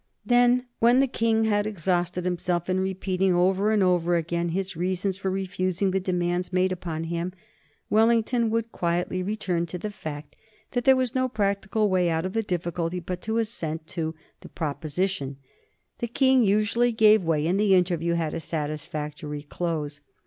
Then, when the King had exhausted himself in repeating over and over again his reasons for refusing the demands made upon him, Wellington would quietly return to the fact that there was no practical way out of the difficulty but to assent to the proposition. The King usually gave way, and the interview had a satisfactory close.